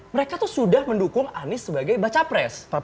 mereka tuh sudah mendukung anies sebagai baca pres